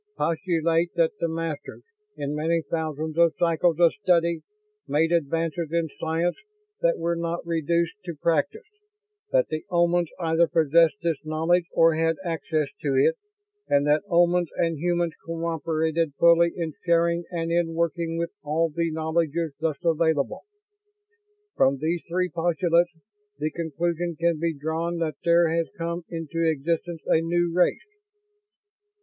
"Postulate that the Masters, in many thousands of cycles of study, made advances in science that were not reduced to practice; that the Omans either possessed this knowledge or had access to it; and that Omans and humans cooperated fully in sharing and in working with all the knowledges thus available. From these three postulates the conclusion can be drawn that there has come into existence a new race.